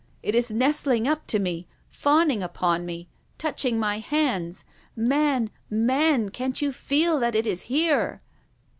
It is nestling up to me, fawning upon me, touching my hands. Man, man, can't you feel that it is here?"